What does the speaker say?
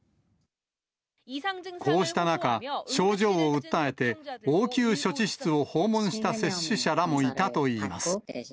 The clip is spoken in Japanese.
こうした中、症状を訴えて、応急処置室を訪問した接種者らもいたといいます。